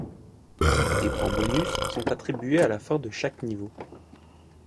Des points bonus sont attribués à la fin de chaque niveau.